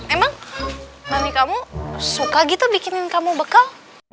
emang mami kamu suka gitu bikin kamu bekal